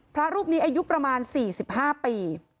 พระรูปนี้อายุประมาณ๔๕ปี